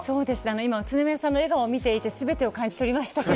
今、宇都宮さんの笑顔を見て全てを感じ取りました。